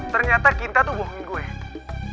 ternyata cinta tuh bohongin gue